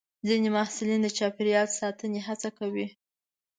ځینې محصلین د چاپېریال ساتنې هڅه کوي.